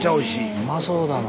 うまそうだな。